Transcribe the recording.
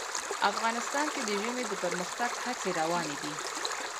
افغانستان کې د ژمی د پرمختګ هڅې روانې دي.